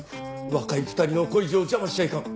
若い２人の恋路を邪魔しちゃいかん。